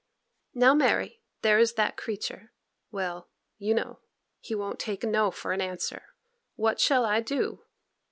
'Now, Mary, there is that creature; well—you know—he won't take "no" for an answer. What shall I do?